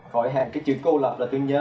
khỏi hạn cái chữ cô lập là tôi nhớ